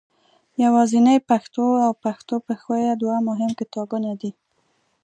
یوازنۍ پښتو او پښتو پښویه دوه مهم کتابونه دي.